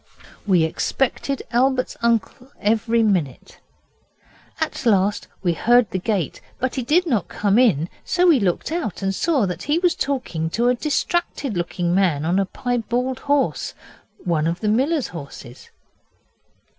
We expected Albert's uncle every minute. At last we heard the gate, but he did not come in, so we looked out and saw that there he was talking to a distracted looking man on a piebald horse one of the miller's horses.